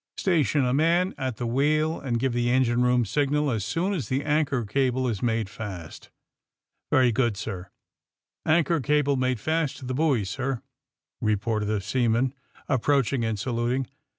Station a man at the wheel and give the engine room signal as soon as the anchor cable is made fast.'' *^Very good, sir." *^ Anchor cable made fast to the buoy, sir/' reported a seaman, approaching and saluting.